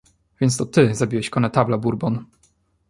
"Więc to ty zabiłeś konetabla Bourbon."